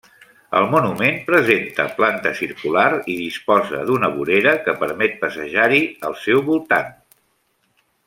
El monument presenta planta circular i disposa d'una vorera que permet passejar-hi al seu voltant.